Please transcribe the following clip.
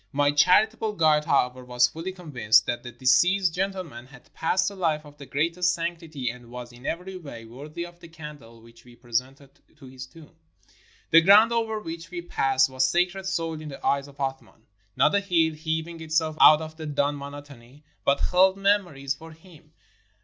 My charitable guide, however, was fully convinced that the deceased gentleman had passed a life of the greatest sanctity, and was in every way worthy of the candle which we presented to his tomb. The ground over which we passed was sacred soil in the eyes of Athman. Not a hill, heaving itself out of the dun monotony, but held memories for him.